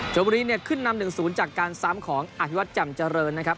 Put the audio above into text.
จบวันนี้เนี่ยขึ้นนำหนึ่งศูนย์จากการซ้ำของอธิวัติจำเจริญนะครับ